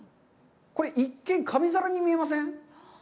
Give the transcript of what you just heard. これ一見紙皿に見えません？